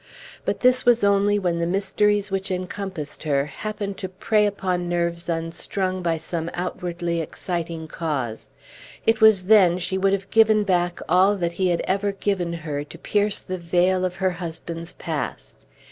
But this was only when the mysteries which encompassed her happened to prey upon nerves unstrung by some outwardly exciting cause; it was then she would have given back all that he had ever given her to pierce the veil of her husband's past.